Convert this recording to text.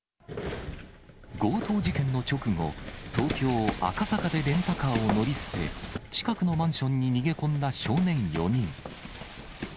強盗事件の直後、東京・赤坂でレンタカーを乗り捨て、近くのマンションに逃げ込んだ少年４人。